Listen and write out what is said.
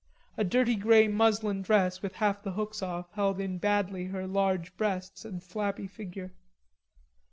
A dirty grey muslin dress with half the hooks off held in badly her large breasts and flabby figure.